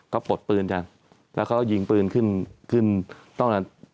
เขาปลดปืนจังแล้วเขาก็ยิงปืนขึ้นขึ้นต้อนรับ